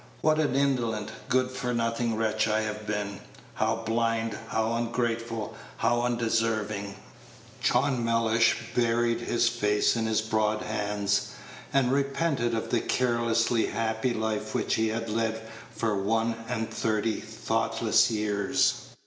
What an indolent, good for nothing wretch I have been! How blind, how ungrateful, how undeserving!" John Mellish buried his face in his broad hands, and repented of the carelessly happy life which he had led for one and thirty thoughtless years.